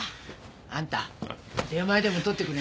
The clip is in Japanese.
あんた出前でも取ってくれんのかい？